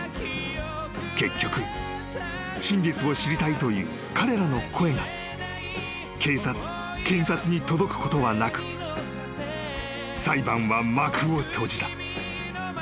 ［結局真実を知りたいという彼らの声が警察検察に届くことはなく裁判は幕を閉じた］